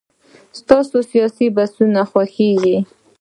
ستاسو سياسي بحثونه خوښيږي.